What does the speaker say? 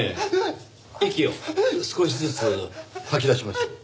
息を少しずつ吐き出しましょう。